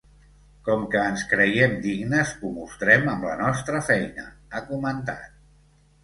Com que ens creiem dignes, ho mostrem amb la nostra feina, ha comentat.